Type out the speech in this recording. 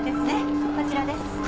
こちらです。